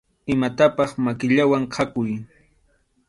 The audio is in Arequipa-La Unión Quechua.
Imatapaq makillawan khakuy.